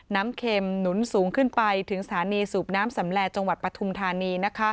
เข็มหนุนสูงขึ้นไปถึงสถานีสูบน้ำสำแลจังหวัดปฐุมธานี